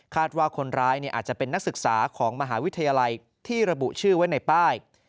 ว่าคนร้ายอาจจะเป็นนักศึกษาของมหาวิทยาลัยที่ระบุชื่อไว้ในป้าย